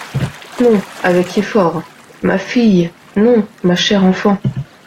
Non, Avec effort. ma fille… non, ma chère enfant…